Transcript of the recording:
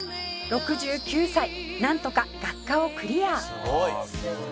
「６９歳なんとか学科をクリア」「すごい！」